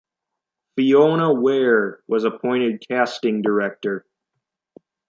Fiona Weir was appointed casting director.